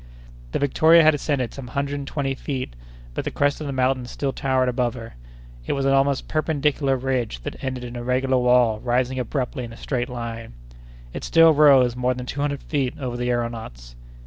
The Victoria had ascended some hundred and twenty feet, but the crest of the mountain still towered above it. It was an almost perpendicular ridge that ended in a regular wall rising abruptly in a straight line. It still rose more than two hundred feet over the aëronauts.